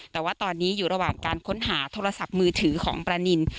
แต่ว่าตอนนี้อยู่ระหว่างการค้นหาโทรศัพท์มือถือของประนิน